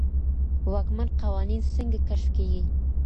واکمن قوانين څنګه کشف کيږي؟